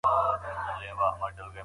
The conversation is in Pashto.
آيا عقيدوي بدلون پر نکاح اغېز لري؟